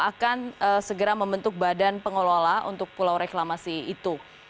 akan segera membentuk badan pengelola untuk pulau reklamasi itu